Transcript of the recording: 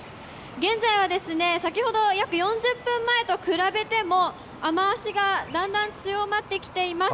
現在はですね、先ほど、約４０分前と比べても、雨足がだんだん強まってきています。